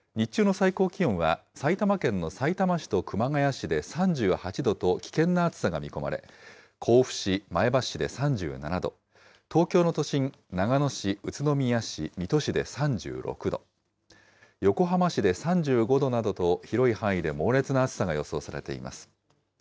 日中の最高気温は、埼玉県のさいたま市と熊谷市で３８度と危険な暑さが見込まれ、甲府市、前橋市で３７度、東京の都心、長野市、宇都宮市、水戸市で３６度、横浜市で３５度などと、広い範囲で猛烈な暑さが予想されています。